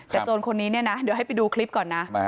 แต่โจรคนนี้เนี่ยนะเดี๋ยวให้ไปดูคลิปก่อนนะ